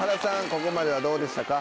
ここまではどうでしたか？